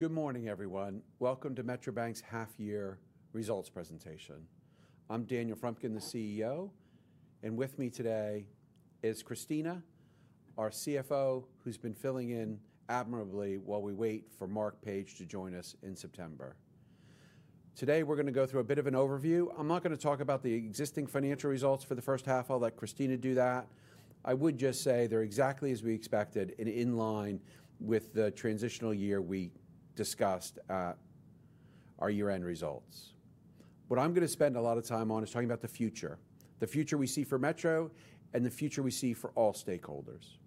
Good morning, everyone. Welcome to Metro Bank's half-year results presentation. I'm Daniel Frumkin, the CEO, and with me today is Cristina, our CFO, who's been filling in admirably while we wait for Marc Page to join us in September. Today, we're going to go through a bit of an overview. I'm not going to talk about the existing financial results for the first half. I'll let Cristina do that. I would just say they're exactly as we expected, and in line with the transitional year we discussed at our year-end results. What I'm going to spend a lot of time on is talking about the future, the future we see for Metro, and the future we see for all stakeholders.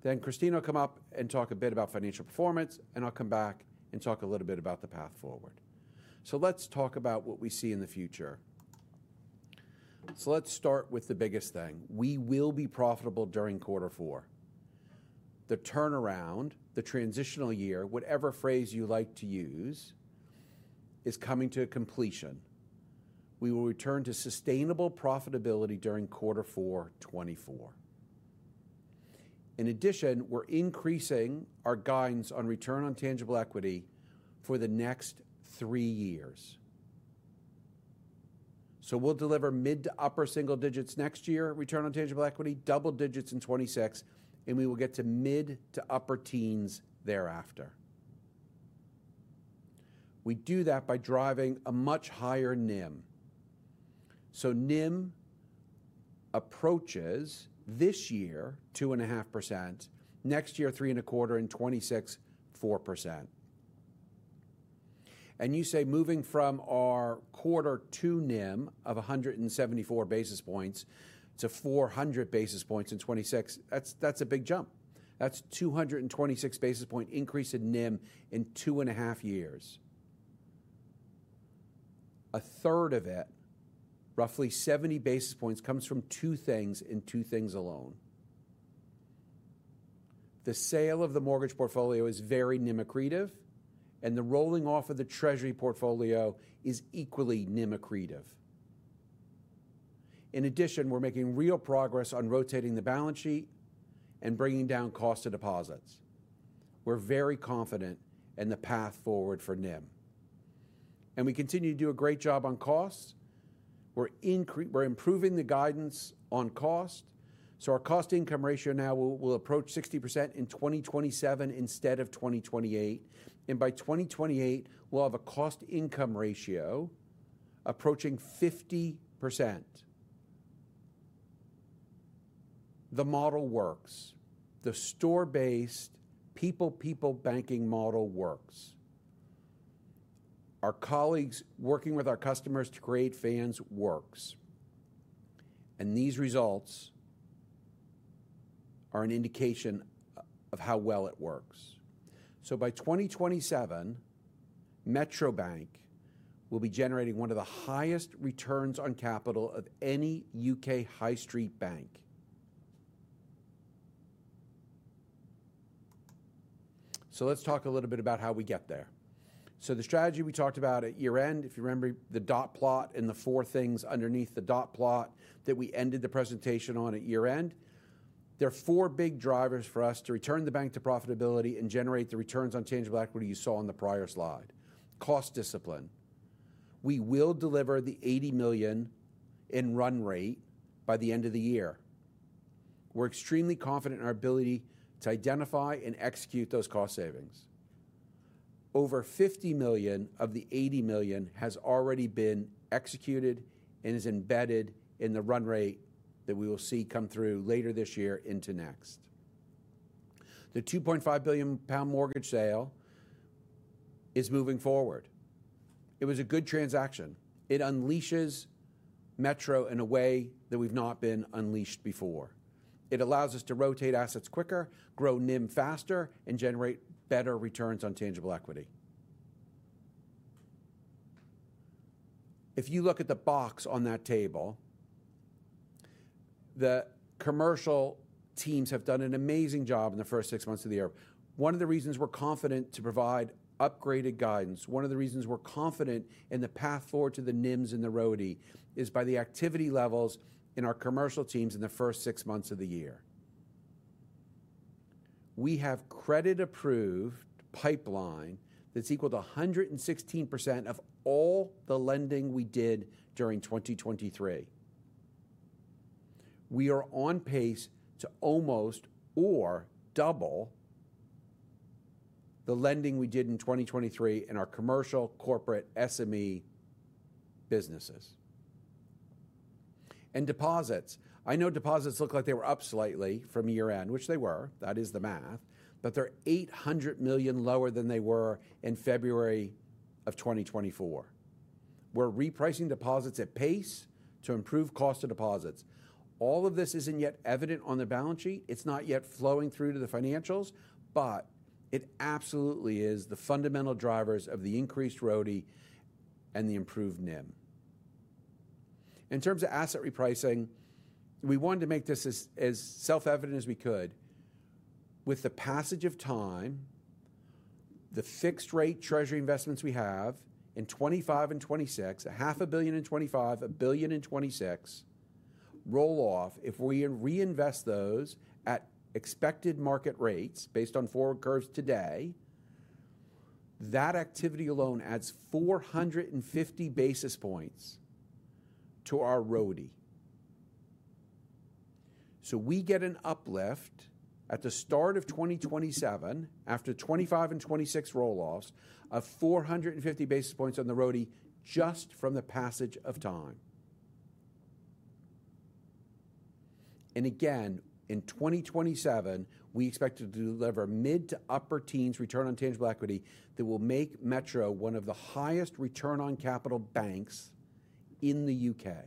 Then Cristina will come up and talk a bit about financial performance, and I'll come back and talk a little bit about the path forward. So let's talk about what we see in the future. So let's start with the biggest thing. We will be profitable during Q4. The turnaround, the transitional year, whatever phrase you like to use, is coming to completion. We will return to sustainable profitability during Q4 2024. In addition, we're increasing our guidance on return on tangible equity for the next three years. So we'll deliver mid to upper single digits next year, return on tangible equity double digits in 2026, and we will get to mid to upper teens thereafter. We do that by driving a much higher NIM. So NIM approaches this year 2.5%, next year 3.25%, and 2026 4%. And you say, moving from our Q2 NIM of 174 basis points to 400 basis points in 2026, that's a big jump. That's a 226 basis point increase in NIM in two and a half years. A third of it, roughly 70 basis points, comes from two things and two things alone. The sale of the mortgage portfolio is very NIM-accretive, and the rolling off of the Treasury portfolio is equally NIM-accretive. In addition, we're making real progress on rotating the balance sheet and bringing down cost of deposits. We're very confident in the path forward for NIM. And we continue to do a great job on costs. We're improving the guidance on cost. So our cost-to-income ratio now will approach 60% in 2027 instead of 2028. And by 2028, we'll have a cost-to-income ratio approaching 50%. The model works. The store-based people-to-people banking model works. Our colleagues working with our customers to create fans works. And these results are an indication of how well it works. So by 2027, Metro Bank will be generating one of the highest returns on capital of any U.K. high-street bank. So let's talk a little bit about how we get there. So the strategy we talked about at year-end, if you remember the dot plot and the four things underneath the dot plot that we ended the presentation on at year-end, there are four big drivers for us to return the bank to profitability and generate the returns on tangible equity you saw on the prior slide: cost discipline. We will deliver the 80 million in run rate by the end of the year. We're extremely confident in our ability to identify and execute those cost savings. Over 50 million of the 80 million has already been executed and is embedded in the run rate that we will see come through later this year into next. The 2.5 billion mortgage sale is moving forward. It was a good transaction. It unleashes Metro in a way that we've not been unleashed before. It allows us to rotate assets quicker, grow NIM faster, and generate better returns on tangible equity. If you look at the box on that table, the commercial teams have done an amazing job in the first six months of the year. One of the reasons we're confident to provide upgraded guidance, one of the reasons we're confident in the path forward to the NIMs and the ROTI, is by the activity levels in our commercial teams in the first six months of the year. We have credit-approved pipeline that's equal to 116% of all the lending we did during 2023. We are on pace to almost or double the lending we did in 2023 in our commercial, corporate, SME businesses. Deposits, I know deposits look like they were up slightly from year-end, which they were, that is the math, but they're 800 million lower than they were in February of 2024. We're repricing deposits at pace to improve cost of deposits. All of this isn't yet evident on the balance sheet. It's not yet flowing through to the financials, but it absolutely is the fundamental drivers of the increased ROTI and the improved NIM. In terms of asset repricing, we wanted to make this as self-evident as we could. With the passage of time, the fixed-rate Treasury investments we have in 2025 and 2026, 500 million in 2025, 1 billion in 2026, roll off, if we reinvest those at expected market rates based on forward curves today, that activity alone adds 450 basis points to our ROTI. So we get an uplift at the start of 2027, after 2025 and 2026 roll-offs, of 450 basis points on the ROTI just from the passage of time. Again, in 2027, we expect to deliver mid to upper teens return on tangible equity that will make Metro one of the highest return on capital banks in the UK.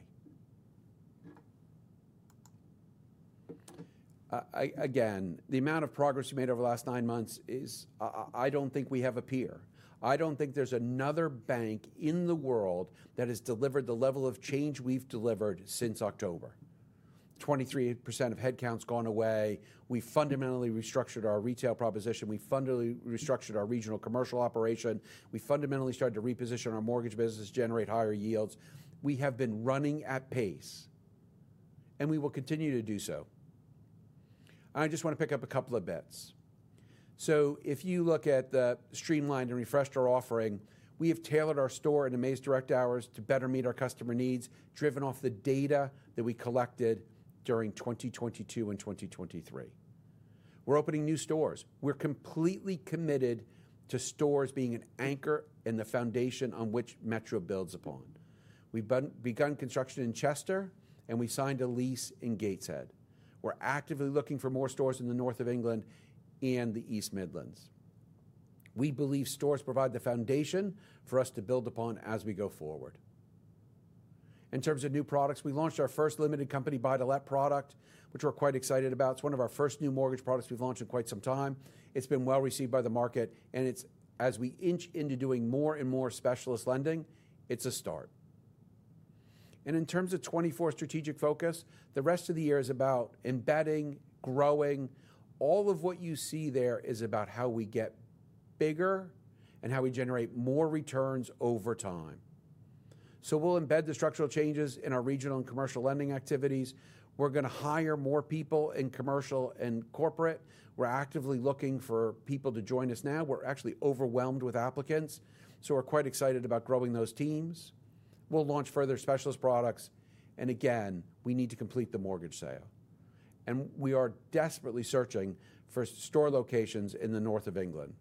Again, the amount of progress we made over the last nine months is, I don't think we have a peer. I don't think there's another bank in the world that has delivered the level of change we've delivered since October. 23% of headcount's gone away. We fundamentally restructured our retail proposition. We fundamentally restructured our regional commercial operation. We fundamentally started to reposition our mortgage business to generate higher yields. We have been running at pace, and we will continue to do so. I just want to pick up a couple of bits. So if you look at the streamlined and refreshed our offering, we have tailored our store and AMAZE Direct hours to better meet our customer needs, driven off the data that we collected during 2022 and 2023. We're opening new stores. We're completely committed to stores being an anchor and the foundation on which Metro builds on. We've begun construction in Chester, and we signed a lease in Gateshead. We're actively looking for more stores in the North of England and the East Midlands. We believe stores provide the foundation for us to build upon as we go forward. In terms of new products, we launched our first limited company buy-to-let product, which we're quite excited about. It's one of our first new mortgage products we've launched in quite some time. It's been well received by the market, and it's, as we inch into doing more and more specialist lending, it's a start. And in terms of 2024 strategic focus, the rest of the year is about embedding, growing, all of what you see there is about how we get bigger and how we generate more returns over time. So we'll embed the structural changes in our regional and commercial lending activities. We're going to hire more people in commercial and corporate. We're actively looking for people to join us now. We're actually overwhelmed with applicants, so we're quite excited about growing those teams. We'll launch further specialist products. And again, we need to complete the mortgage sale. And we are desperately searching for store locations in the North of England.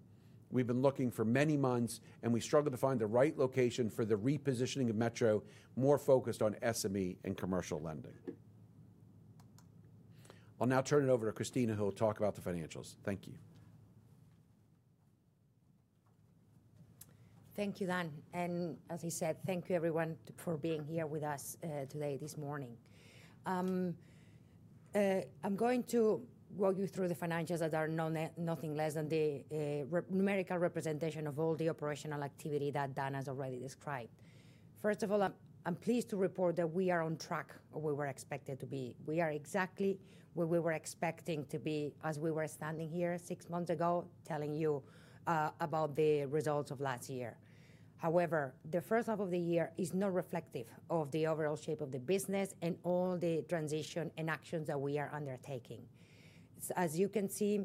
We've been looking for many months, and we struggled to find the right location for the repositioning of Metro, more focused on SME and commercial lending. I'll now turn it over to Cristina, who will talk about the financials. Thank you. Thank you, Dan. As I said, thank you, everyone, for being here with us today, this morning. I'm going to walk you through the financials that are nothing less than the numerical representation of all the operational activity that Dan has already described. First of all, I'm pleased to report that we are on track where we were expected to be. We are exactly where we were expecting to be as we were standing here six months ago, telling you about the results of last year. However, the first half of the year is not reflective of the overall shape of the business and all the transition and actions that we are undertaking. As you can see,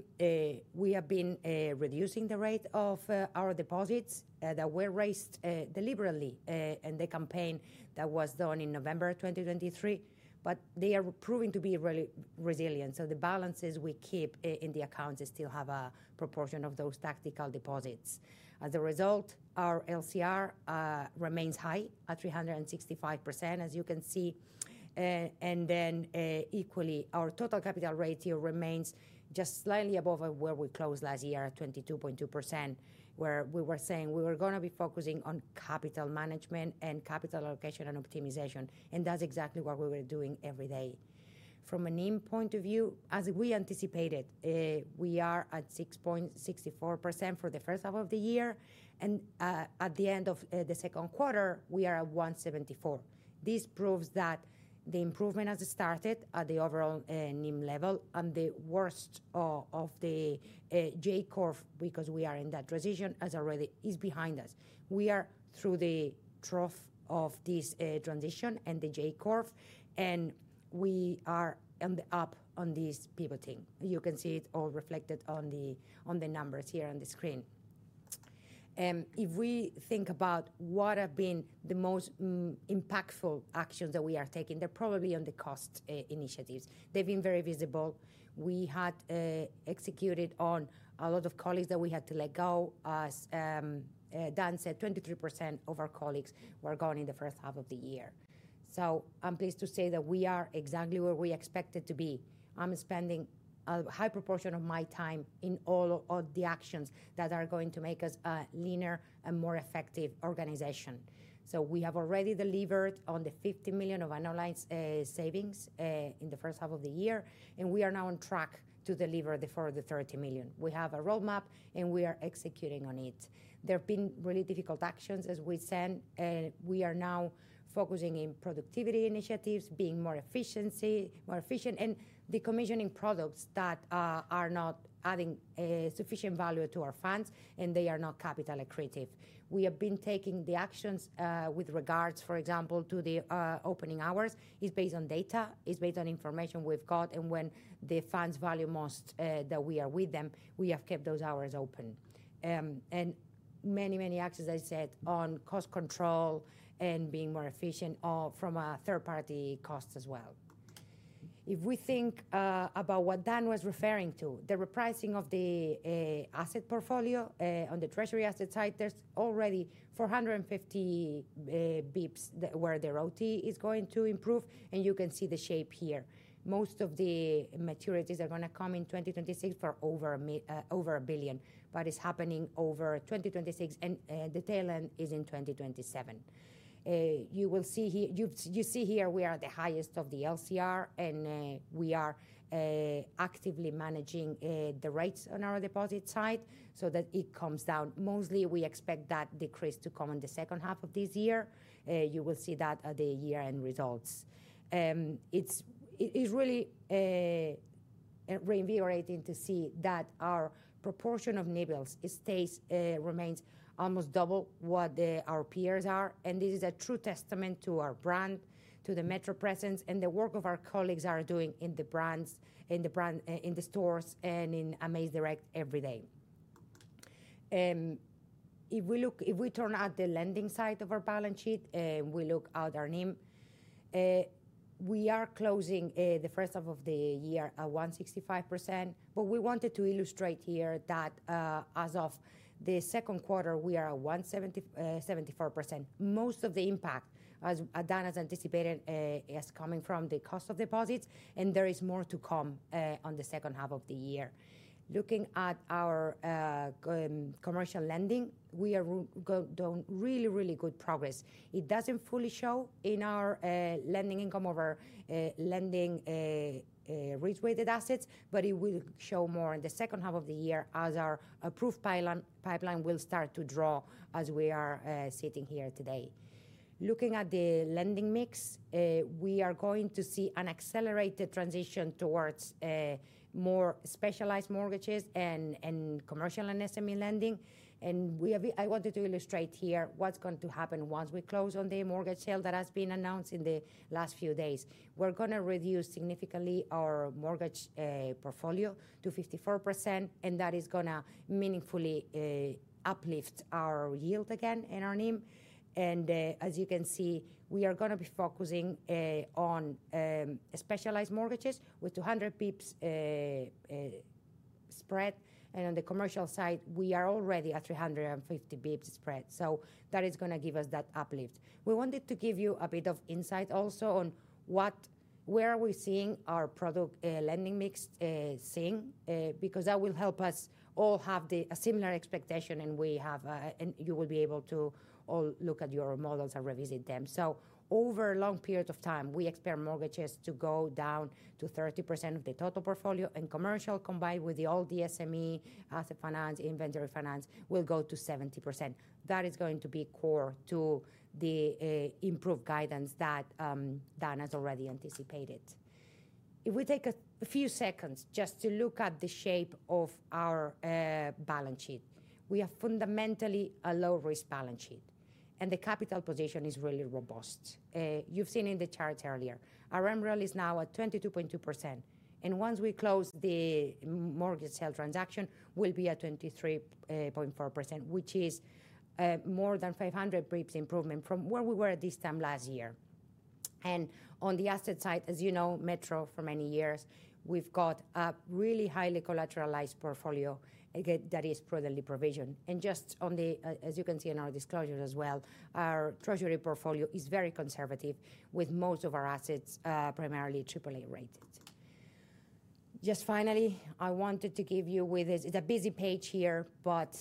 we have been reducing the rate of our deposits that were raised deliberately in the campaign that was done in November 2023, but they are proving to be really resilient. So the balances we keep in the accounts still have a proportion of those tactical deposits. As a result, our LCR remains high at 365%, as you can see. And then equally, our total capital ratio remains just slightly above where we closed last year at 22.2%, where we were saying we were going to be focusing on capital management and capital allocation and optimization. And that's exactly what we were doing every day. From a NIM point of view, as we anticipated, we are at 6.64% for the first half of the year. And at the end of the Q2, we are at 174. This proves that the improvement has started at the overall NIM level, and the worst of the J-curve, because we are in that transition, has already been behind us. We are through the trough of this transition and the J-curve, and we are up on this pivoting. You can see it all reflected on the numbers here on the screen. If we think about what have been the most impactful actions that we are taking, they're probably on the cost initiatives. They've been very visible. We had executed on a lot of colleagues that we had to let go. As Dan said, 23% of our colleagues were gone in the first half of the year. So I'm pleased to say that we are exactly where we expected to be. I'm spending a high proportion of my time in all of the actions that are going to make us a leaner and more effective organization. So we have already delivered on the 50 million of annualized savings in the first half of the year, and we are now on track to deliver the further 30 million. We have a roadmap, and we are executing on it. There have been really difficult actions, as we said. We are now focusing on productivity initiatives, being more efficient, and the commissioning products that are not adding sufficient value to our funds, and they are not capital-accretive. We have been taking the actions with regards, for example, to the opening hours. It's based on data. It's based on information we've got. When the funds value most that we are with them, we have kept those hours open. Many, many actions, as I said, on cost control and being more efficient from a third-party cost as well. If we think about what Dan was referring to, the repricing of the asset portfolio on the Treasury asset side, there's already 450 basis points where the ROTI is going to improve, and you can see the shape here. Most of the maturities are going to come in 2026 for over a billion, but it's happening over 2026, and the tail end is in 2027. You see here we are at the highest of the LCR, and we are actively managing the rates on our deposit side so that it comes down. Mostly, we expect that decrease to come in the second half of this year. You will see that at the year-end results. It's really reinvigorating to see that our proportion of NIBLs remains almost double what our peers are. This is a true testament to our brand, to the Metro presence, and the work of our colleagues that are doing in the brands, in the stores, and in AMAZE Direct every day. If we turn out the lending side of our balance sheet and we look at our NIM, we are closing the first half of the year at 165%. But we wanted to illustrate here that as of the Q2, we are at 174%. Most of the impact, as Dan has anticipated, is coming from the cost of deposits, and there is more to come on the second half of the year. Looking at our commercial lending, we have done really, really good progress. It doesn't fully show in our lending income over lending re-weighted assets, but it will show more in the second half of the year as our approved pipeline will start to draw as we are sitting here today. Looking at the lending mix, we are going to see an accelerated transition towards more specialized mortgages and commercial and SME lending. I wanted to illustrate here what's going to happen once we close on the mortgage sale that has been announced in the last few days. We're going to reduce significantly our mortgage portfolio to 54%, and that is going to meaningfully uplift our yield again in our NIM. As you can see, we are going to be focusing on specialized mortgages with 200 basis points spread. On the commercial side, we are already at 350 basis points spread. That is going to give us that uplift. We wanted to give you a bit of insight also on where are we seeing our product lending mix seeing, because that will help us all have a similar expectation, and you will be able to all look at your models and revisit them. So over a long period of time, we expect mortgages to go down to 30% of the total portfolio, and commercial combined with all the SME, asset finance, inventory finance will go to 70%. That is going to be core to the improved guidance that Dan has already anticipated. If we take a few seconds just to look at the shape of our balance sheet, we have fundamentally a low-risk balance sheet, and the capital position is really robust. You've seen in the chart earlier, our MREL is now at 22.2%. Once we close the mortgage sale transaction, we'll be at 23.4%, which is more than 500 basis points improvement from where we were at this time last year. And on the asset side, as you know, Metro for many years, we've got a really highly collateralized portfolio that is proven provision. And just on the, as you can see in our disclosure as well, our Treasury portfolio is very conservative with most of our assets primarily AAA rated. Just finally, I wanted to give you with this, it's a busy page here, but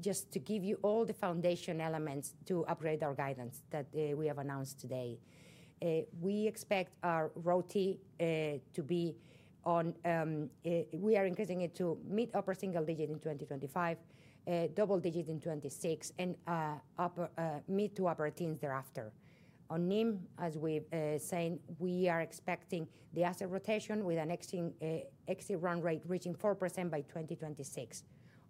just to give you all the foundation elements to upgrade our guidance that we have announced today. We expect our ROTI to be on, we are increasing it to mid-upper single digit in 2025, double digit in 2026, and mid to upper teens thereafter. On NIM, as we've said, we are expecting the asset rotation with an exit run rate reaching 4% by 2026.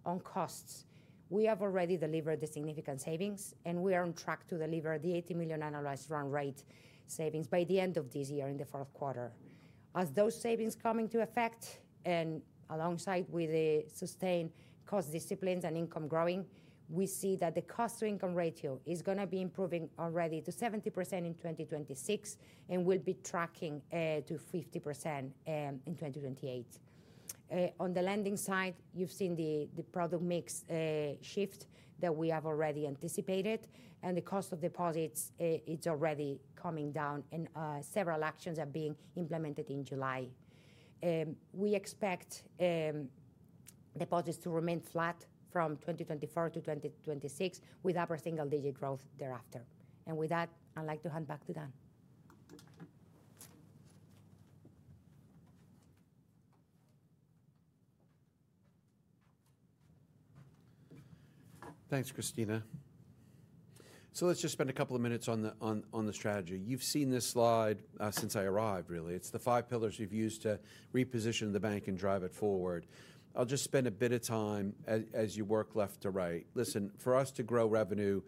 On costs, we have already delivered the significant savings, and we are on track to deliver the 80 million annualized run rate savings by the end of this year in the Q1. As those savings come into effect, and alongside with the sustained cost disciplines and income growing, we see that the cost-to-income ratio is going to be improving already to 70% in 2026, and we'll be tracking to 50% in 2028. On the lending side, you've seen the product mix shift that we have already anticipated, and the cost of deposits, it's already coming down, and several actions are being implemented in July. We expect deposits to remain flat from 2024 to 2026 with upper single digit growth thereafter. With that, I'd like to hand back to Dan. Thanks, Cristina. So let's just spend a couple of minutes on the strategy. You've seen this slide since I arrived, really. It's the five pillars we've used to reposition the bank and drive it forward. I'll just spend a bit of time as you work left to right. Listen, for us to grow revenue,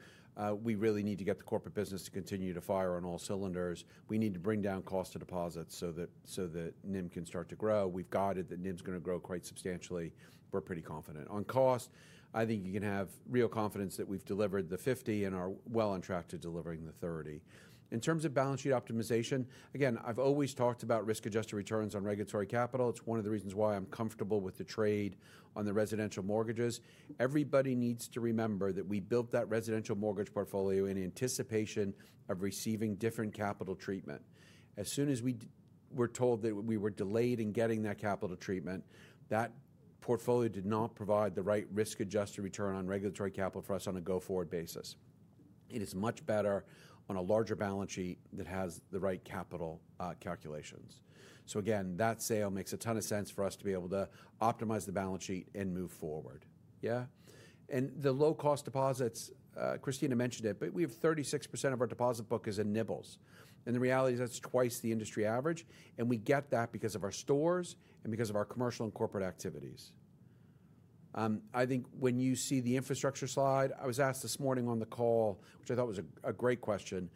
we really need to get the corporate business to continue to fire on all cylinders. We need to bring down cost of deposits so that NIM can start to grow. We've guided that NIM's going to grow quite substantially. We're pretty confident. On cost, I think you can have real confidence that we've delivered the 50 and are well on track to delivering the 30. In terms of balance sheet optimization, again, I've always talked about risk-adjusted returns on regulatory capital. It's one of the reasons why I'm comfortable with the trade on the residential mortgages. Everybody needs to remember that we built that residential mortgage portfolio in anticipation of receiving different capital treatment. As soon as we were told that we were delayed in getting that capital treatment, that portfolio did not provide the right risk-adjusted return on regulatory capital for us on a go-forward basis. It is much better on a larger balance sheet that has the right capital calculations. So again, that sale makes a ton of sense for us to be able to optimize the balance sheet and move forward. Yeah? And the low-cost deposits, Cristina mentioned it, but we have 36% of our deposit book is in NIBLS. And the reality is that's twice the industry average. And we get that because of our stores and because of our commercial and corporate activities. I think when you see the infrastructure slide, I was asked this morning on the call, which I thought was a great question,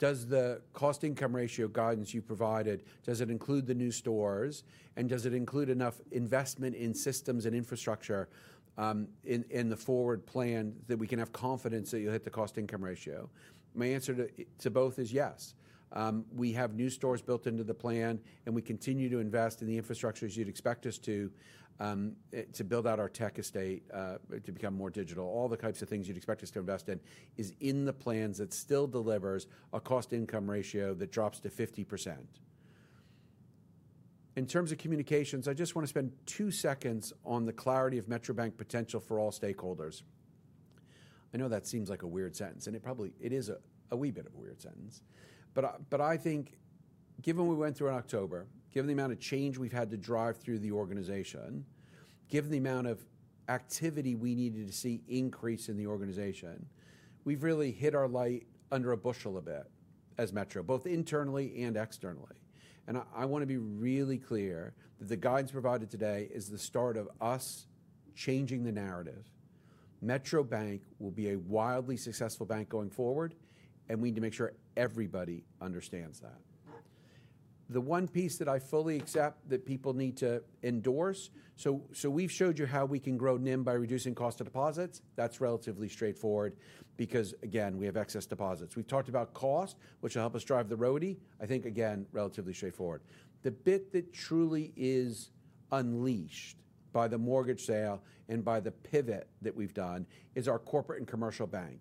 does the cost-income ratio guidance you provided, does it include the new stores, and does it include enough investment in systems and infrastructure in the forward plan that we can have confidence that you'll hit the cost-income ratio? My answer to both is yes. We have new stores built into the plan, and we continue to invest in the infrastructure as you'd expect us to, to build out our tech estate, to become more digital. All the types of things you'd expect us to invest in is in the plans that still delivers a cost-income ratio that drops to 50%. In terms of communications, I just want to spend two seconds on the clarity of Metro Bank potential for all stakeholders. I know that seems like a weird sentence, and it probably is a wee bit of a weird sentence. But I think given what we went through in October, given the amount of change we've had to drive through the organization, given the amount of activity we needed to see increase in the organization, we've really hid our light under a bushel a bit as Metro, both internally and externally. And I want to be really clear that the guidance provided today is the start of us changing the narrative. Metro Bank will be a wildly successful bank going forward, and we need to make sure everybody understands that. The one piece that I fully accept that people need to endorse, so we've showed you how we can grow NIM by reducing cost of deposits, that's relatively straightforward because, again, we have excess deposits. We've talked about cost, which will help us drive the ROTI. I think, again, relatively straightforward. The bit that truly is unleashed by the mortgage sale and by the pivot that we've done is our corporate and commercial bank.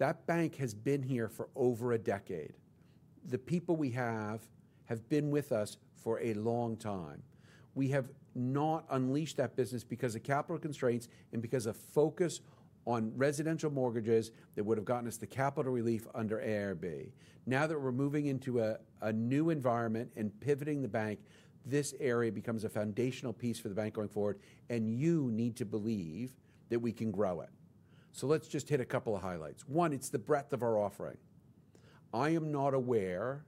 That bank has been here for over a decade. The people we have have been with us for a long time. We have not unleashed that business because of capital constraints and because of focus on residential mortgages that would have gotten us the capital relief under AIRB. Now that we're moving into a new environment and pivoting the bank, this area becomes a foundational piece for the bank going forward, and you need to believe that we can grow it. So let's just hit a couple of highlights. One, it's the breadth of our offering. I am not aware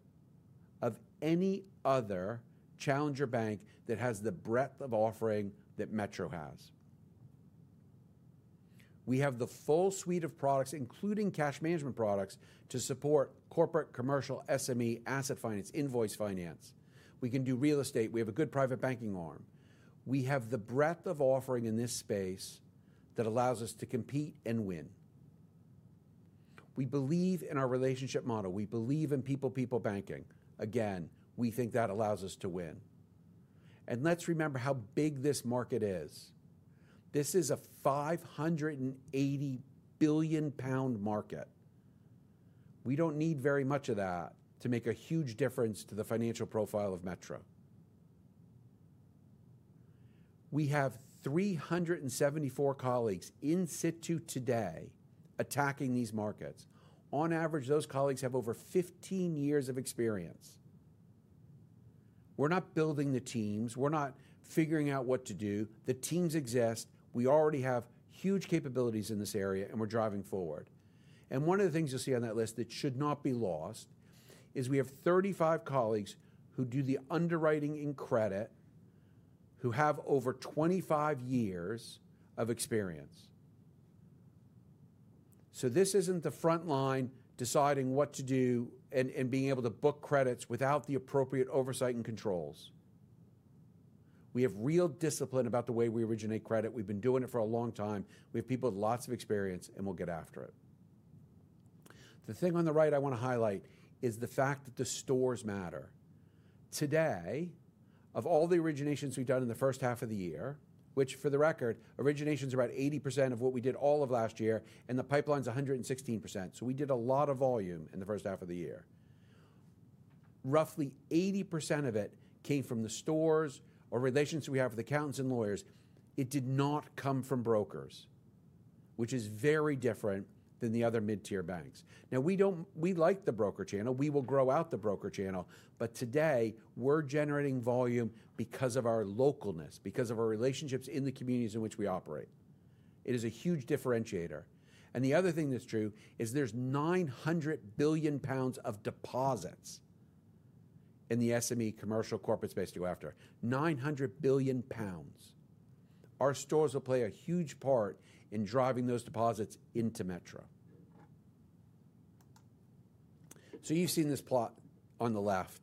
of any other challenger bank that has the breadth of offering that Metro has. We have the full suite of products, including cash management products to support corporate, commercial, SME, asset finance, invoice finance. We can do real estate. We have a good private banking arm. We have the breadth of offering in this space that allows us to compete and win. We believe in our relationship model. We believe in people-people banking. Again, we think that allows us to win. And let's remember how big this market is. This is a 580 billion pound market. We don't need very much of that to make a huge difference to the financial profile of Metro. We have 374 colleagues in situ today attacking these markets. On average, those colleagues have over 15 years of experience. We're not building the teams. We're not figuring out what to do. The teams exist. We already have huge capabilities in this area, and we're driving forward. One of the things you'll see on that list that should not be lost is we have 35 colleagues who do the underwriting in credit, who have over 25 years of experience. This isn't the front line deciding what to do and being able to book credits without the appropriate oversight and controls. We have real discipline about the way we originate credit. We've been doing it for a long time. We have people with lots of experience, and we'll get after it. The thing on the right I want to highlight is the fact that the stores matter. Today, of all the originations we've done in the first half of the year, which for the record, originations are about 80% of what we did all of last year, and the pipeline's 116%. So we did a lot of volume in the first half of the year. Roughly 80% of it came from the stores or relations we have with accountants and lawyers. It did not come from brokers, which is very different than the other mid-tier banks. Now, we like the broker channel. We will grow out the broker channel. But today, we're generating volume because of our localness, because of our relationships in the communities in which we operate. It is a huge differentiator. And the other thing that's true is there's 900 billion pounds of deposits in the SME, commercial, corporate space to go after. 900 billion pounds. Our stores will play a huge part in driving those deposits into Metro. So you've seen this plot on the left.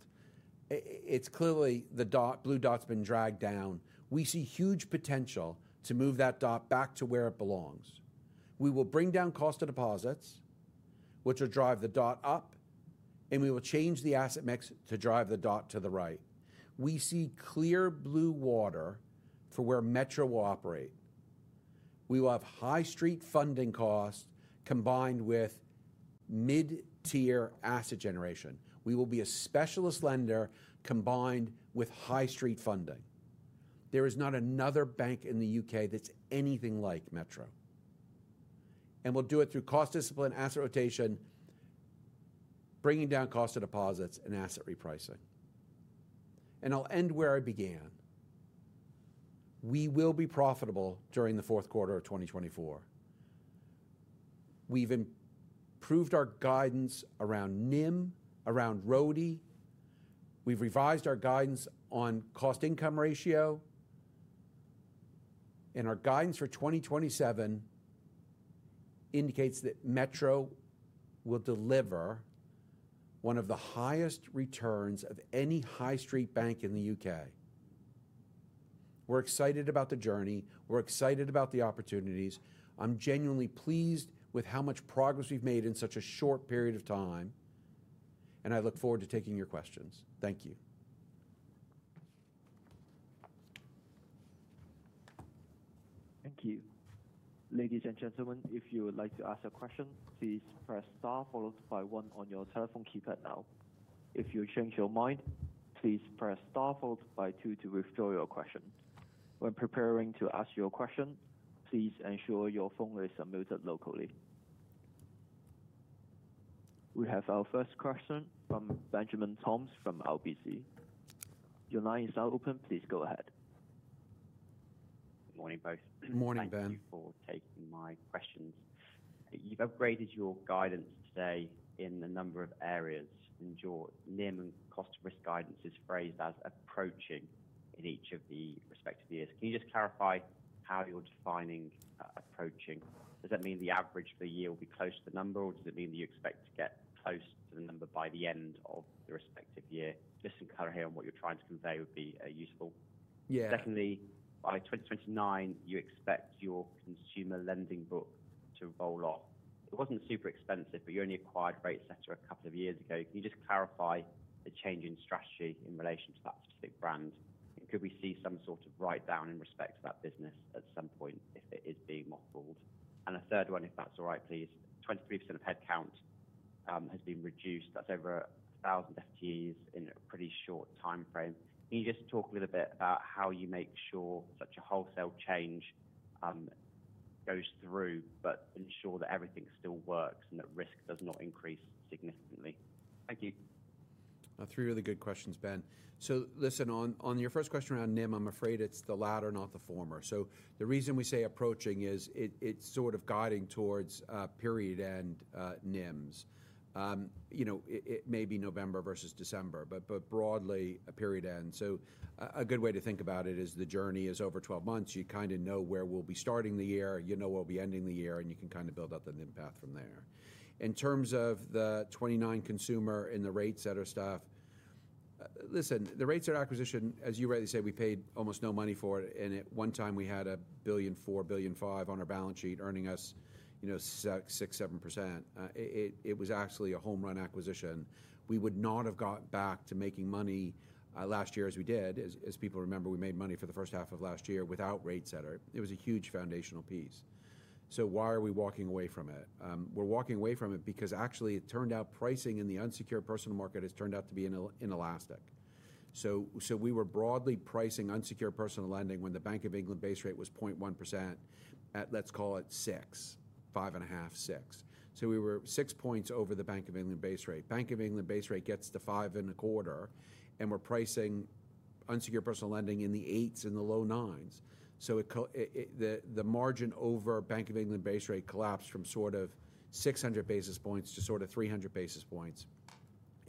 It's clearly the blue dot's been dragged down. We see huge potential to move that dot back to where it belongs. We will bring down cost of deposits, which will drive the dot up, and we will change the asset mix to drive the dot to the right. We see clear blue water for where Metro will operate. We will have high street funding costs combined with mid-tier asset generation. We will be a specialist lender combined with high street funding. There is not another bank in the UK that's anything like Metro. We'll do it through cost discipline, asset rotation, bringing down cost of deposits, and asset repricing. I'll end where I began. We will be profitable during the Q4 of 2024. We've improved our guidance around NIM, around ROTI. We've revised our guidance on cost-income ratio. Our guidance for 2027 indicates that Metro will deliver one of the highest returns of any high street bank in the UK. We're excited about the journey. We're excited about the opportunities. I'm genuinely pleased with how much progress we've made in such a short period of time. I look forward to taking your questions. Thank you. Thank you. Ladies and gentlemen, if you would like to ask a question, please press star followed by one on your telephone keypad now. If you change your mind, please press star followed by two to withdraw your question. When preparing to ask your question, please ensure your phone is unmuted locally. We have our first question from Benjamin Toms from RBC. Your line is now open. Please go ahead. Good morning, both. Morning, Ben. Thank you for taking my questions. You've upgraded your guidance today in a number of areas. Your NIM and cost-risk guidance is phrased as approaching in each of the respective years. Can you just clarify how you're defining approaching? Does that mean the average for the year will be close to the number, or does it mean that you expect to get close to the number by the end of the respective year? This and color here on what you're trying to convey would be useful. Yeah. Secondly, by 2029, you expect your consumer lending book to roll off. It wasn't super expensive, but you only acquired RateSetter a couple of years ago. Can you just clarify the change in strategy in relation to that specific brand? And could we see some sort of write-down in respect to that business at some point if it is being mothballed? And a third one, if that's all right, please. 23% of headcount has been reduced. That's over 1,000 FTEs in a pretty short time frame. Can you just talk a little bit about how you make sure such a wholesale change goes through, but ensure that everything still works and that risk does not increase significantly? Thank you. Three really good questions, Ben. So listen, on your first question around NIM, I'm afraid it's the latter, not the former. So the reason we say approaching is it's sort of guiding towards period-end NIMs. It may be November versus December, but broadly a period-end. So a good way to think about it is the journey is over 12 months. You kind of know where we'll be starting the year. You know where we'll be ending the year, and you can kind of build up the NIM path from there. In terms of the 2.9 consumer and the RateSetter stuff, listen, the RateSetter acquisition, as you rightly say, we paid almost no money for it. And at one time, we had 1.4 billion, 1.5 billion on our balance sheet, earning us 6%-7%. It was actually a home-run acquisition. We would not have gotten back to making money last year as we did. As people remember, we made money for the first half of last year without RateSetter. It was a huge foundational piece. So why are we walking away from it? We're walking away from it because actually, it turned out pricing in the unsecured personal market has turned out to be inelastic. So we were broadly pricing unsecured personal lending when the Bank of England base rate was 0.1% at, let's call it 6, 5.5, 6. So we were 6 points over the Bank of England base rate. Bank of England base rate gets to 5.25, and we're pricing unsecured personal lending in the 8s and the low 9s. So the margin over Bank of England base rate collapsed from sort of 600 basis points to sort of 300 basis points.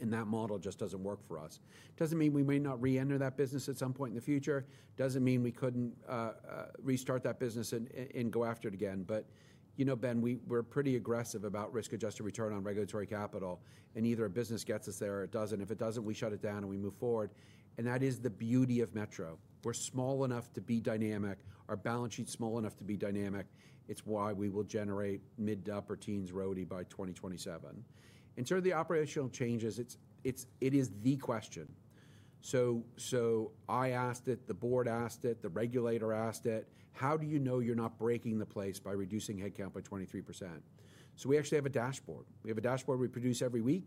That model just doesn't work for us. It doesn't mean we may not re-enter that business at some point in the future. It doesn't mean we couldn't restart that business and go after it again. But you know, Ben, we're pretty aggressive about risk-adjusted return on regulatory capital. And either a business gets us there or it doesn't. If it doesn't, we shut it down and we move forward. And that is the beauty of Metro. We're small enough to be dynamic. Our balance sheet's small enough to be dynamic. It's why we will generate mid to upper teens ROTI by 2027. In terms of the operational changes, it is the question. So I asked it, the board asked it, the regulator asked it, how do you know you're not breaking the place by reducing headcount by 23%? So we actually have a dashboard. We have a dashboard we produce every week.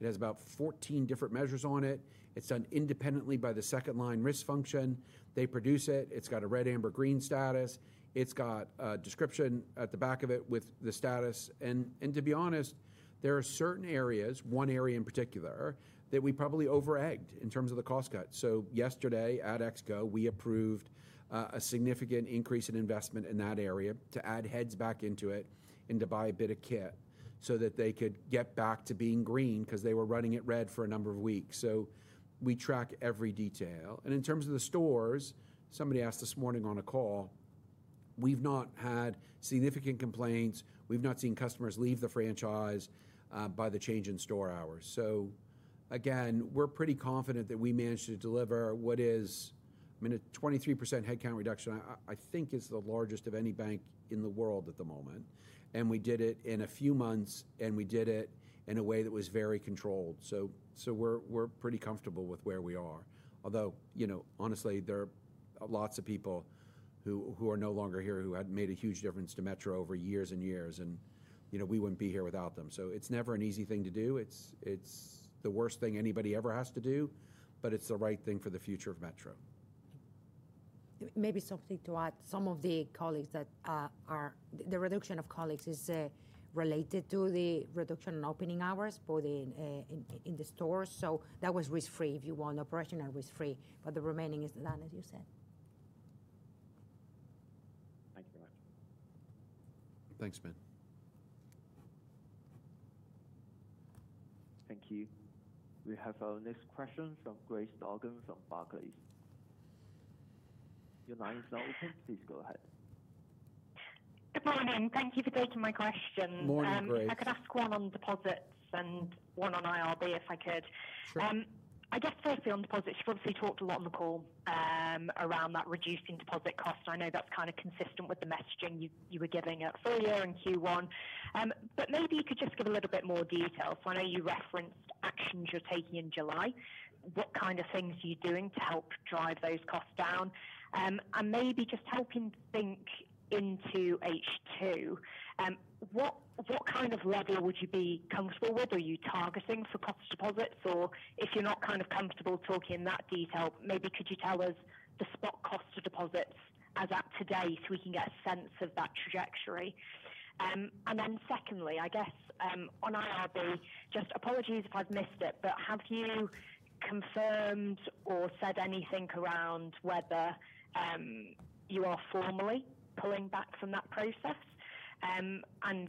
It has about 14 different measures on it. It's done independently by the second-line risk function. They produce it. It's got a red, amber, green status. It's got a description at the back of it with the status. And to be honest, there are certain areas, one area in particular, that we probably overegged in terms of the cost cut. So yesterday, at Exco, we approved a significant increase in investment in that area to add heads back into it and to buy a bit of kit so that they could get back to being green because they were running it red for a number of weeks. So we track every detail. And in terms of the stores, somebody asked this morning on a call, we've not had significant complaints. We've not seen customers leave the franchise by the change in store hours. So again, we're pretty confident that we managed to deliver what is, I mean, a 23% headcount reduction, I think is the largest of any bank in the world at the moment. And we did it in a few months, and we did it in a way that was very controlled. So we're pretty comfortable with where we are. Although, honestly, there are lots of people who are no longer here who had made a huge difference to Metro over years and years. And we wouldn't be here without them. So it's never an easy thing to do. It's the worst thing anybody ever has to do, but it's the right thing for the future of Metro. Maybe something to add, some of the colleagues that are the reduction of colleagues is related to the reduction in opening hours in the stores. So that was risk-free, if you want operational risk-free. But the remaining is done, as you said. Thank you very much. Thanks, Ben. Thank you. We have our next question from Grace Dargan from Barclays. Your line is now open. Please go ahead. Good morning. Thank you for taking my question. Morning, Grace. I could ask one on deposits and one on IRB, if I could. Sure. I guess firstly, on deposits, you've obviously talked a lot on the call around that reducing deposit cost. I know that's kind of consistent with the messaging you were giving at full year and Q1. But maybe you could just give a little bit more detail. So I know you referenced actions you're taking in July. What kind of things are you doing to help drive those costs down? And maybe just helping think into H2. What kind of level would you be comfortable with? Are you targeting for cost deposits? Or if you're not kind of comfortable talking in that detail, maybe could you tell us the spot cost of deposits as at today so we can get a sense of that trajectory? And then secondly, I guess on IRB, just apologies if I've missed it, but have you confirmed or said anything around whether you are formally pulling back from that process? And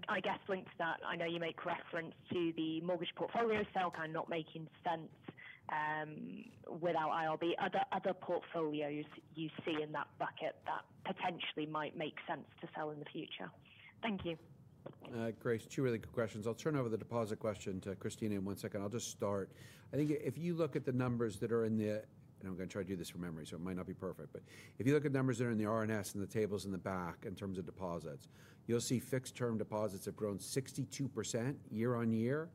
I guess linked to that, I know you make reference to the mortgage portfolio sale kind of not making sense without IRB. Other portfolios you see in that bucket that potentially might make sense to sell in the future? Thank you. Grace, two really quick questions. I'll turn over the deposit question to Cristina in one second. I'll just start. I think if you look at the numbers that are in the—and I'm going to try to do this from memory, so it might not be perfect—but if you look at numbers that are in the R&S and the tables in the back in terms of deposits, you'll see fixed-term deposits have grown 62% year-over-year.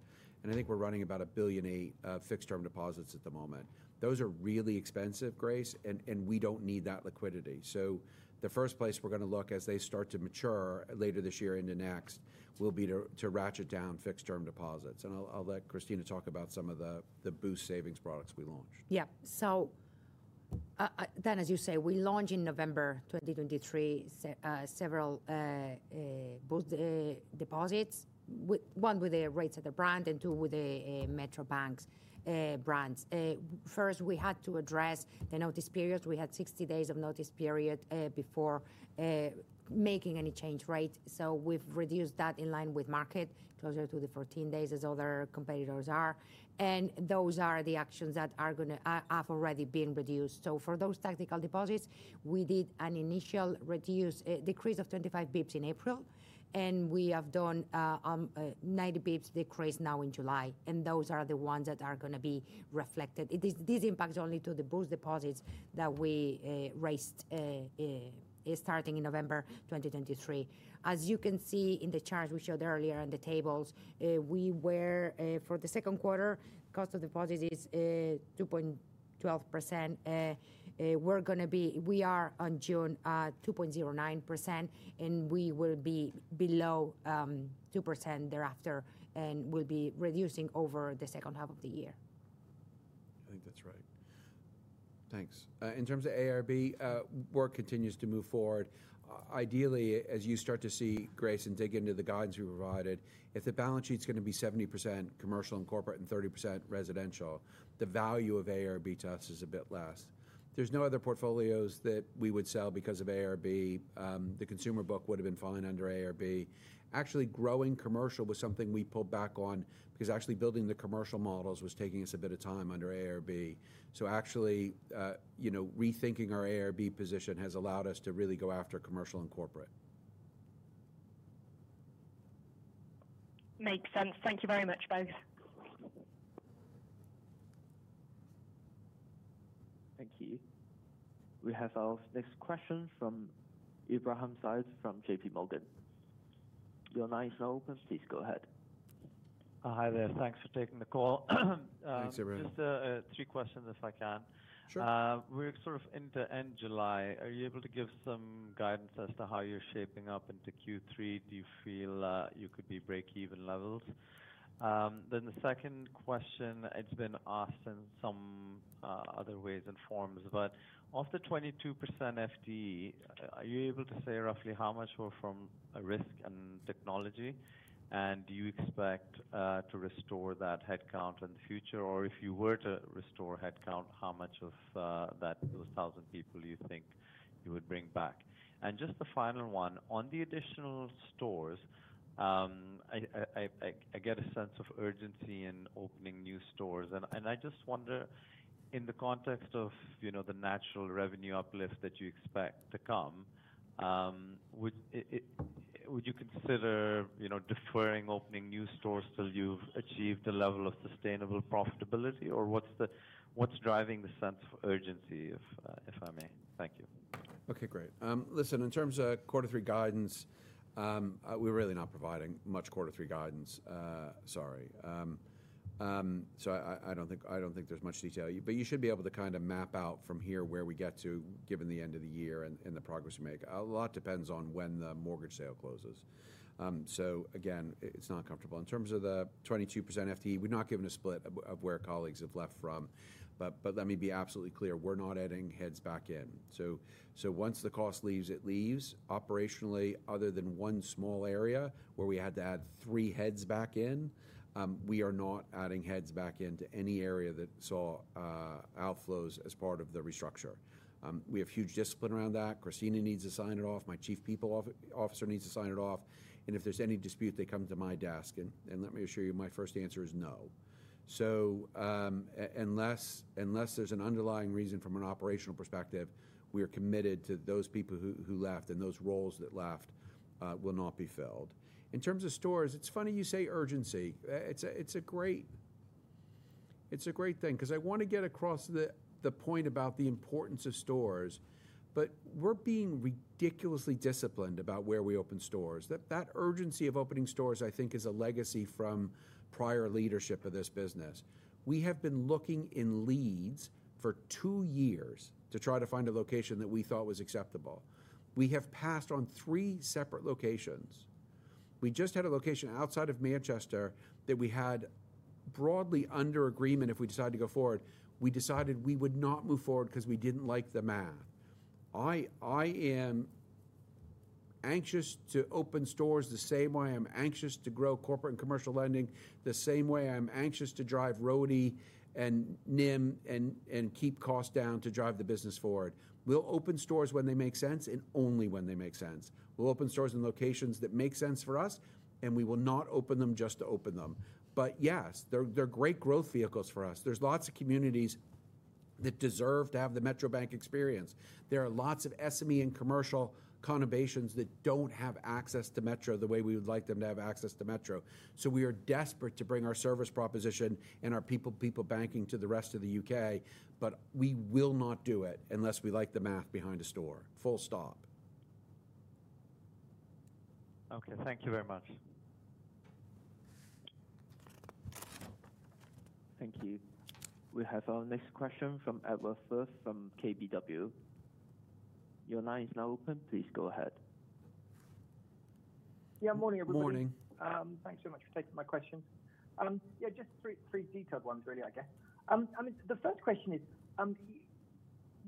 And I think we're running about 1.8 billion of fixed-term deposits at the moment. Those are really expensive, Grace, and we don't need that liquidity. So the first place we're going to look as they start to mature later this year into next will be to ratchet down fixed-term deposits. And I'll let Cristina talk about some of the Boost savings products we launched. Yeah. So then, as you say, we launched in November 2023 several Boost deposits, one with the RateSetter brand and two with the Metro Bank's brands. First, we had to address the notice period. We had 60 days of notice period before making any change, right? So we've reduced that in line with market, closer to the 14 days as other competitors are. And those are the actions that have already been reduced. So for those tactical deposits, we did an initial decrease of 25 basis points in April, and we have done a 90 basis points decrease now in July. And those are the ones that are going to be reflected. This impacts only to the Boost deposits that we raised starting in November 2023. As you can see in the charts we showed earlier in the tables, we were for the second quarter, cost of deposit is 2.12%. We are on June at 2.09%, and we will be below 2% thereafter and will be reducing over the second half of the year. I think that's right. Thanks. In terms of AIRB, work continues to move forward. Ideally, as you start to see, Grace, and dig into the guidance we provided, if the balance sheet's going to be 70% commercial and corporate and 30% residential, the value of AIRB to us is a bit less. There's no other portfolios that we would sell because of AIRB. The consumer book would have been falling under AIRB. Actually, growing commercial was something we pulled back on because actually building the commercial models was taking us a bit of time under AIRB. So actually rethinking our AIRB position has allowed us to really go after commercial and corporate. Makes sense. Thank you very much, both. Thank you. We have our next question from Ibrahim Saeed from JP Morgan. Your line is now open. Please go ahead. Hi there. Thanks for taking the call. Thanks, Ibrahim Just three questions if I can. Sure. We're sort of into end July. Are you able to give some guidance as to how you're shaping up into Q3? Do you feel you could be break-even levels? Then the second question, it's been asked in some other ways and forms, but of the 22% FTE, are you able to say roughly how much were from risk and technology? And do you expect to restore that headcount in the future? Or if you were to restore headcount, how much of those 1,000 people do you think you would bring back? And just the final one, on the additional stores, I get a sense of urgency in opening new stores. And I just wonder, in the context of the natural revenue uplift that you expect to come, would you consider deferring opening new stores till you've achieved a level of sustainable profitability? Or what's driving the sense of urgency, if I may? Thank you. Okay, great. Listen, in terms of Q3 guidance, we're really not providing much Q3 guidance. Sorry. So I don't think there's much detail. But you should be able to kind of map out from here where we get to, given the end of the year and the progress we make. A lot depends on when the mortgage sale closes. So again, it's not comfortable. In terms of the 22% FTE, we're not given a split of where colleagues have left from. But let me be absolutely clear, we're not adding heads back in. So once the cost leaves, it leaves. Operationally, other than one small area where we had to add three heads back in, we are not adding heads back into any area that saw outflows as part of the restructure. We have huge discipline around that. Cristina needs to sign it off. My Chief People Officer needs to sign it off. And if there's any dispute, they come to my desk. And let me assure you, my first answer is no. So unless there's an underlying reason from an operational perspective, we are committed to those people who left and those roles that left will not be filled. In terms of stores, it's funny you say urgency. It's a great thing because I want to get across the point about the importance of stores. But we're being ridiculously disciplined about where we open stores. That urgency of opening stores, I think, is a legacy from prior leadership of this business. We have been looking in Leeds for two years to try to find a location that we thought was acceptable. We have passed on three separate locations. We just had a location outside of Manchester that we had broadly under agreement if we decided to go forward. We decided we would not move forward because we didn't like the math. I am anxious to open stores the same way I am anxious to grow corporate and commercial lending, the same way I'm anxious to drive ROTI and NIM and keep costs down to drive the business forward. We'll open stores when they make sense and only when they make sense. We'll open stores in locations that make sense for us, and we will not open them just to open them. But yes, they're great growth vehicles for us. There's lots of communities that deserve to have the Metro Bank experience. There are lots of SME and commercial conurbations that don't have access to Metro the way we would like them to have access to Metro. So we are desperate to bring our service proposition and our people-to-people banking to the rest of the UK, but we will not do it unless we like the math behind a store. Full stop. Okay, thank you very much. Thank you. We have our next question from Edward Firth from KBW. Your line is now open. Please go ahead. Yeah, morning, everybody. Morning. Thanks so much for taking my question. Yeah, just three detailed ones, really, I guess. I mean, the first question is,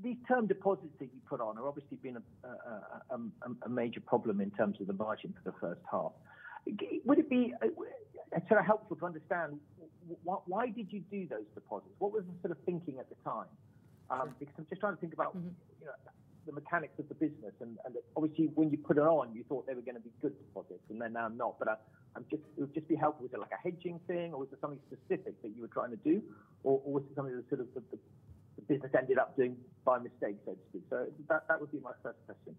these term deposits that you put on have obviously been a major problem in terms of the margin for the first half. Would it be sort of helpful to understand why did you do those deposits? What was the sort of thinking at the time? Because I'm just trying to think about the mechanics of the business. And obviously, when you put it on, you thought they were going to be good deposits, and they're now not. But it would just be helpful. Was it like a hedging thing, or was it something specific that you were trying to do, or was it something that sort of the business ended up doing by mistake, so to speak? So that would be my first question.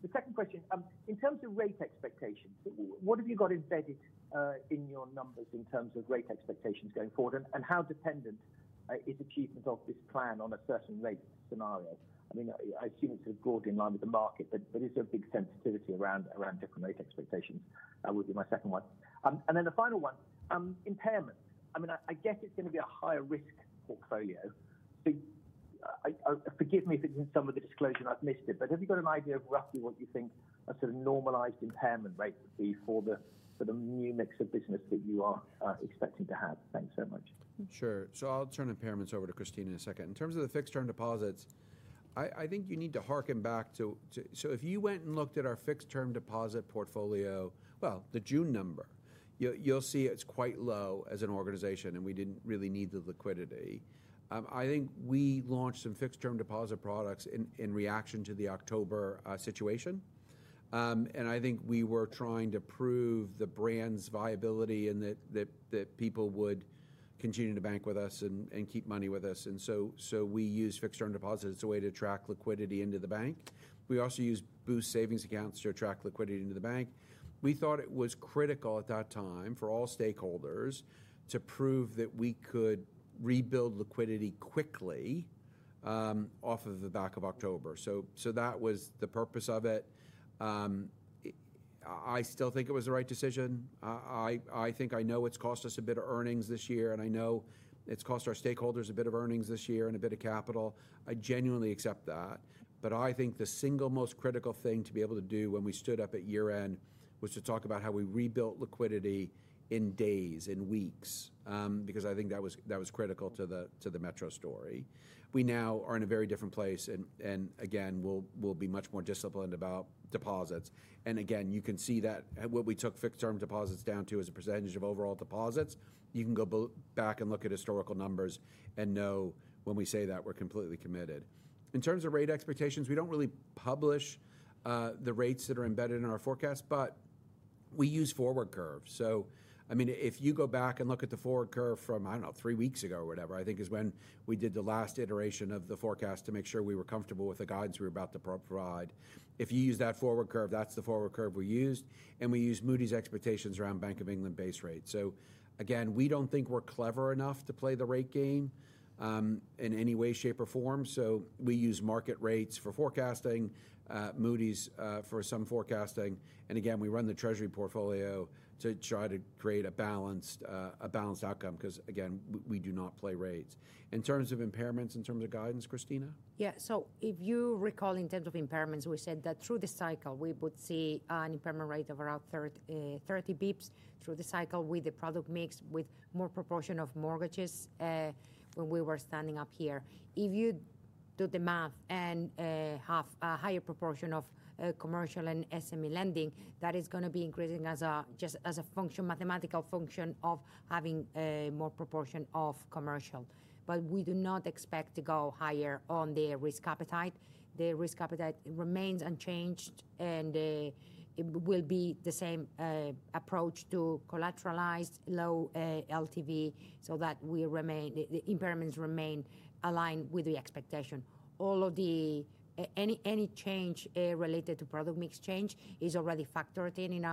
The second question, in terms of rate expectations, what have you got embedded in your numbers in terms of rate expectations going forward, and how dependent is achievement of this plan on a certain rate scenario? I mean, I assume it's sort of broadly in line with the market, but is there a big sensitivity around different rate expectations? That would be my second one. And then the final one, impairment. I mean, I guess it's going to be a higher risk portfolio. So forgive me if it's in some of the disclosure, and I've missed it. But have you got an idea of roughly what you think a sort of normalized impairment rate would be for the new mix of business that you are expecting to have? Thanks very much. Sure. So I'll turn impairments over to Cristina in a second. In terms of the fixed-term deposits, I think you need to harken back to—so if you went and looked at our fixed-term deposit portfolio, well, the June number, you'll see it's quite low as an organization, and we didn't really need the liquidity. I think we launched some fixed-term deposit products in reaction to the October situation. And I think we were trying to prove the brand's viability and that people would continue to bank with us and keep money with us. And so we used fixed-term deposits as a way to attract liquidity into the bank. We also used Boost savings accounts to attract liquidity into the bank. We thought it was critical at that time for all stakeholders to prove that we could rebuild liquidity quickly off of the back of October. So that was the purpose of it. I still think it was the right decision. I think I know it's cost us a bit of earnings this year, and I know it's cost our stakeholders a bit of earnings this year and a bit of capital. I genuinely accept that. But I think the single most critical thing to be able to do when we stood up at year-end was to talk about how we rebuilt liquidity in days and weeks because I think that was critical to the Metro story. We now are in a very different place, and again, we'll be much more disciplined about deposits. And again, you can see that what we took fixed-term deposits down to as a percentage of overall deposits, you can go back and look at historical numbers and know when we say that we're completely committed. In terms of rate expectations, we don't really publish the rates that are embedded in our forecast, but we use forward curves. So I mean, if you go back and look at the forward curve from, I don't know, three weeks ago or whatever, I think is when we did the last iteration of the forecast to make sure we were comfortable with the guidance we were about to provide. If you use that forward curve, that's the forward curve we used. And we use Moody's expectations around Bank of England base rates. So again, we don't think we're clever enough to play the rate game in any way, shape, or form. So we use market rates for forecasting, Moody's for some forecasting. And again, we run the Treasury portfolio to try to create a balanced outcome because, again, we do not play rates. In terms of impairments, in terms of guidance, Cristina? Yeah. So if you recall, in terms of impairments, we said that through the cycle, we would see an impairment rate of around 30 basis points through the cycle with the product mix with more proportion of mortgages when we were standing up here. If you do the math and have a higher proportion of commercial and SME lending, that is going to be increasing just as a mathematical function of having more proportion of commercial. But we do not expect to go higher on the risk appetite. The risk appetite remains unchanged, and it will be the same approach to collateralized low LTV so that the impairments remain aligned with the expectation. All of the any change related to product mix change is already factored in in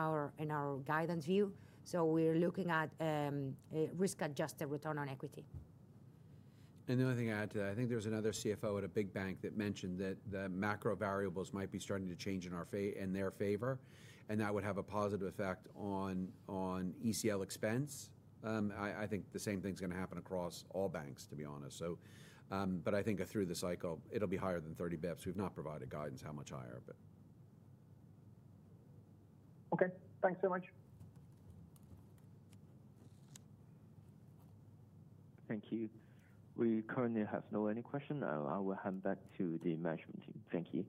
our guidance view. So we're looking at risk-adjusted return on equity. The only thing I add to that, I think there was another CFO at a big bank that mentioned that the macro variables might be starting to change in their favor, and that would have a positive effect on ECL expense. I think the same thing's going to happen across all banks, to be honest. But I think through the cycle, it'll be higher than 30 basis points. We've not provided guidance how much higher, but. Okay. Thanks so much. Thank you. We currently have no other questions. I will hand back to the management team. Thank you.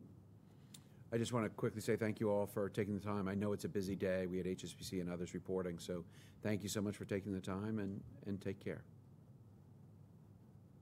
I just want to quickly say thank you all for taking the time. I know it's a busy day. We had HSBC and others reporting. So thank you so much for taking the time, and take care.